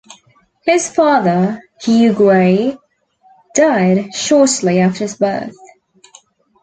His father, Hugh Gray, died shortly after his birth.